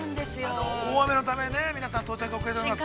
大雨のため、皆さん到着がおくれております。